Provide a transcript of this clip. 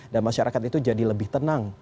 dan masyarakat itu jadi lebih tenang